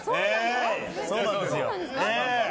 そうなんですか？